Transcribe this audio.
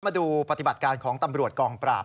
มาดูปฏิบัติการของตำรวจกองปราบ